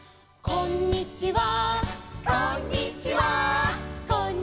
「こんにちは」